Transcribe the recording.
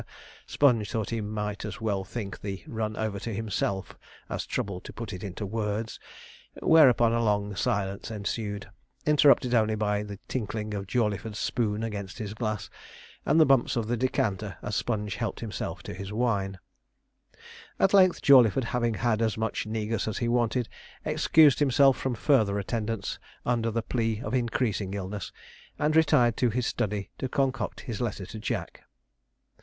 Sponge thought he might as well think the run over to himself as trouble to put it into words, whereupon a long silence ensued, interrupted only by the tinkling of Jawleyford's spoon against his glass, and the bumps of the decanter as Sponge helped himself to his wine. At length Jawleyford, having had as much negus as he wanted, excused himself from further attendence, under the plea of increasing illness, and retired to his study to concoct his letter to Jack.